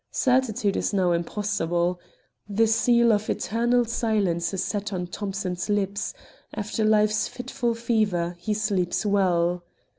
Certitude is now impossible. The seal of eternal silence is set on Thomson's lips—"after life's fitful fever he sleeps well."